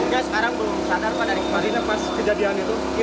dia sekarang belum sadar pada kejadian itu